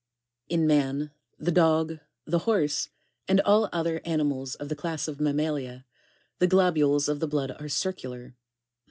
In man, the dog, the horse, and all other ani mals of the class of mammalia, the globules of the blood are circular, {a.